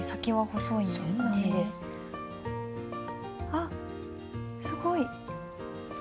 あっすごい。